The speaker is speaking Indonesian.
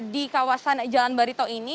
di kawasan jalan barito ini